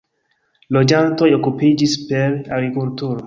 Loĝantoj okupiĝis per agrikulturo.